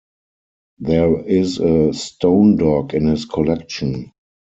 There is a stone dog in his collection.